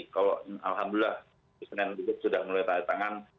kalau alhamdulillah sudah mulai tahan tangan